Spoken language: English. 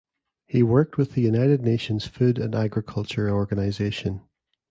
He worked with the United Nations Food and Agriculture Organization.